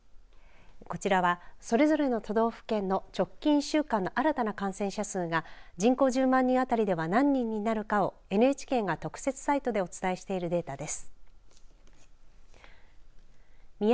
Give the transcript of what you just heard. こちらは、それぞれの都道府県の直近１週間の新たな感染者数が人口１０万人当たりでは何人になるかをＮＨＫが特設サイトでお伝えしているデータです。